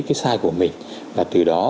cái sai của mình và từ đó